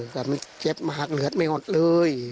แล้วไม่เจ็บมากเหลือดไม่อดเลย